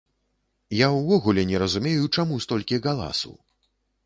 Я ўвогуле не разумею, чаму столькі галасу?